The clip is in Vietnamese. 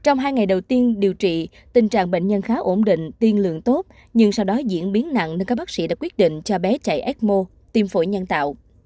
nhưng điều trị tình trạng bệnh nhân khá ổn định tiên lượng tốt nhưng sau đó diễn biến nặng nên các bác sĩ đã quyết định cho bé chạy ecmo tiêm phổi nhân tạo